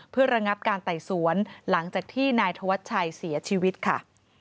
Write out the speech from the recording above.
เพื่อระงับการไต่สวนหลังจากที่นายธวัชชัยเสียชีวิตค่ะ